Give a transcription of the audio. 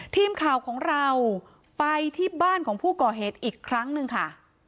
ทีมข่าวของเราไปที่บ้านของผู้ก่อเหตุอีกครั้งหนึ่งค่ะ